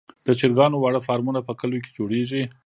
د چرګانو واړه فارمونه په کليو کې جوړیږي.